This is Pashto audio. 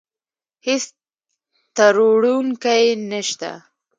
هېڅ تروړونکی يې نشته.